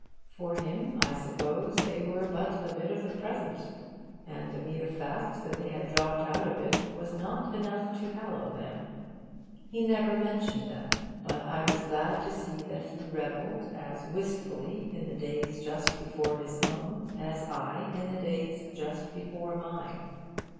For him, I suppose, they were but a bit of the present, and the mere fact that they had dropped out of it was not enough to hallow them. He never mentioned them. But I was glad to see that he revelled as wistfully in the days just before his own as I in the days just before mine.